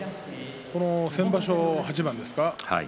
先場所は８番ですか？